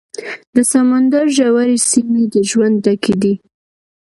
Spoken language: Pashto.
د سمندر ژورې سیمې د ژوند ډکې دي.